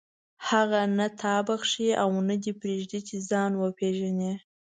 هغه نه تا بخښي او نه دې پرېږدي چې ځان وپېژنې.